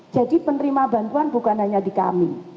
jadi penerima bantuan bukan hanya di kami